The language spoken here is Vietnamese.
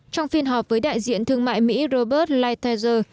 trong phiên họp với đại diện thương mại mỹ robert lighthizer